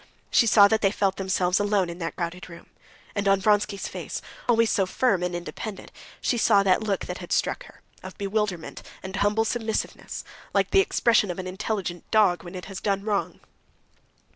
She saw that they felt themselves alone in that crowded room. And on Vronsky's face, always so firm and independent, she saw that look that had struck her, of bewilderment and humble submissiveness, like the expression of an intelligent dog when it has done wrong.